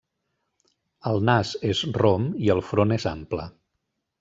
El nas és rom i el front és ample.